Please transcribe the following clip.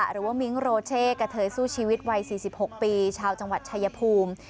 มิ้งโรเช่กะเทยสู้ชีวิตวัย๔๖ปีชาวจังหวัดชายภูมิ